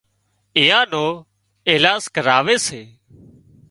ايئان نو ايلاز ڪراوي سي